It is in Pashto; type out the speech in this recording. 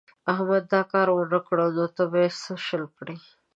احمد دا کار و نه کړ نو ته به يې څه شل کړې.